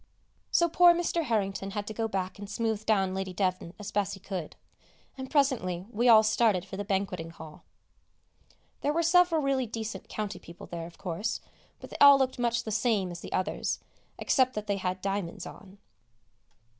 So poor Mr. Harrington had to go back and smooth down Lady Devnant as best he could; and presently we all started for the banqueting hall. There were several really decent county people there, of course, but they all looked much the same as the others, except that they had diamonds on.